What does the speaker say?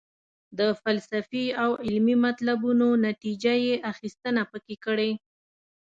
د فلسفي او علمي مطلبونو نتیجه یې اخیستنه پکې کړې.